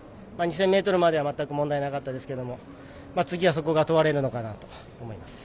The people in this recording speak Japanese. ２０００ｍまでは全く問題なかったですけど次は、そこが問われるのかなと思います。